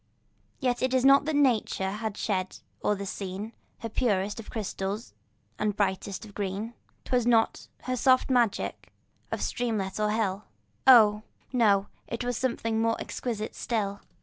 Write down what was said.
Yet it was not that nature had shed o'er the scene Her purest of crystal and brightest of green; 'Twas not her soft magic of streamlet or hill, Oh! no—it was something more exquisite still.